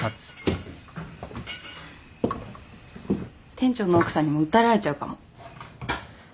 店長の奥さんにも訴えられちゃうかも。